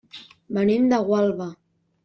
Venim de Gualba.